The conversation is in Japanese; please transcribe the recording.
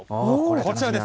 こちらです。